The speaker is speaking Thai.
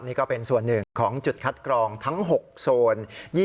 นี่ก็เป็นส่วนหนึ่งของจุดคัดกรองทั้ง๖โซน